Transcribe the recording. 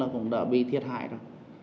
cũng đã bị thiệt hại rồi